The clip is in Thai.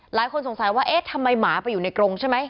หลายคนสงสัยว่าเอ๊ะทำไมหมาไปอยู่ในกรงใช่ไหม